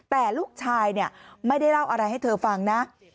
แต่ลูกชายไม่ได้เล่าอะไรให้เธอฟังนะ